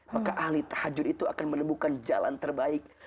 maka ahli tahajud itu akan menemukan jalan terbaik